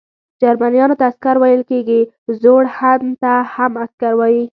جرمنیانو ته عسکر ویل کیږي، زوړ هن ته هم عسکر وايي.